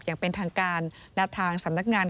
อย่างเป็นทางการและทางสำนักงาน